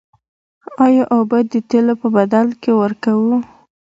آیا اوبه د تیلو په بدل کې ورکوو؟